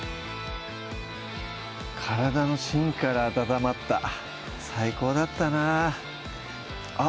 体の心から温まった最高だったなあっ